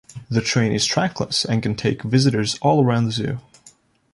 The train is trackless and can take visitors all around the zoo.